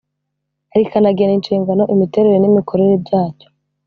rikanagena inshingano imiterere n imikorere byacyo